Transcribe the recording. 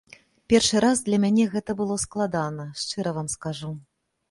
Першы раз для мяне гэта было складана, шчыра вам скажу.